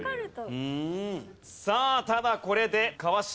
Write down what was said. さあただこれで川島